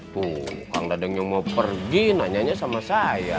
tuh kak dadang yang mau pergi nanyanya sama saya